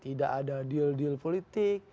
tidak ada deal deal politik